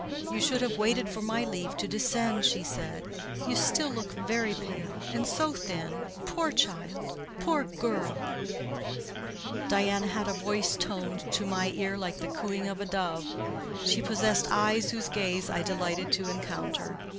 "You should have waited for my leave to descend," she said. "You still look very pale—and so thin! Poor child!—poor girl!" Diana had a voice toned, to my ear, like the cooing of a dove. She possessed eyes whose gaze I delighted to encounter.